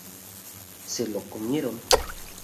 Se lo "comieron".